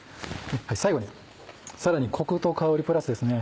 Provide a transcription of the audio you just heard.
最後にさらにコクと香りプラスですね。